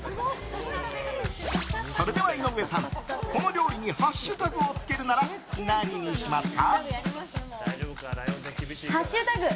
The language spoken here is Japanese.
それでは井上さんこの料理にハッシュタグをつけるなら何にしますか？